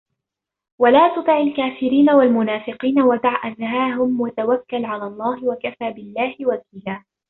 وَلَا تُطِعِ الْكَافِرِينَ وَالْمُنَافِقِينَ وَدَعْ أَذَاهُمْ وَتَوَكَّلْ عَلَى اللَّهِ وَكَفَى بِاللَّهِ وَكِيلًا